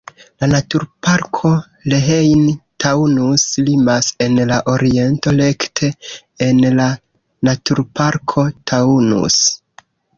La naturparko Rhein-Taunus limas en la oriento rekte en la naturparko Taunus.